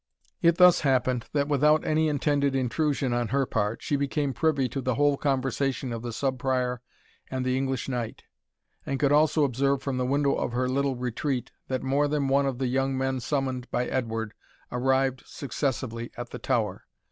It thus happened, that without any intended intrusion on her part, she became privy to the whole conversation of the Sub Prior and the English knight, and could also observe from the window of her little retreat, that more than one of the young men summoned by Edward arrived successively at the tower.